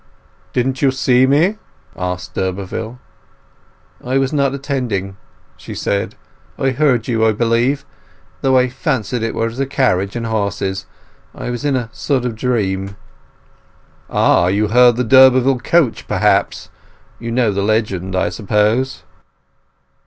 "Didn't you see me?" asked d'Urberville. "I was not attending," she said. "I heard you, I believe, though I fancied it was a carriage and horses. I was in a sort of dream." "Ah! you heard the d'Urberville Coach, perhaps. You know the legend, I suppose?"